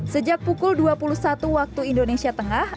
sejak pukul dua puluh satu waktu indonesia tengah